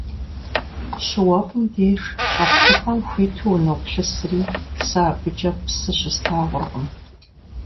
ЩыуэфӀым деж щӀэплъыпӀэм хуиту уноплъысри, сэ абыкӀэ псы щыслъагъуркъым.